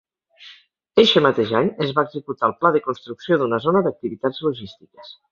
Eixe mateix any, es va executar el pla de construcció d'una Zona d'Activitats Logístiques.